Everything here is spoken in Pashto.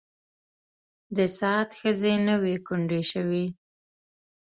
د سعد ښځې نه وې کونډې شوې.